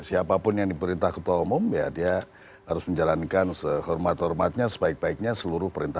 siapapun yang diperintah ketua umum ya dia harus menjalankan sehormat hormatnya sebaik baiknya seluruh perintah